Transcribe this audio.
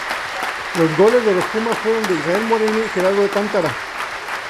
Los goles de los Pumas fueron de Israel Moreno y Gerardo Alcántara.